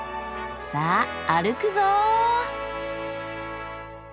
さぁ歩くぞ！